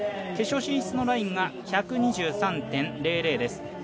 決勝進出のラインが１２３．００です。